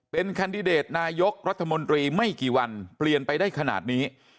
เป็นแคนดิเดตนายกรัฐมนตรีไม่กี่วันเปลี่ยนไปได้ขนาดนี้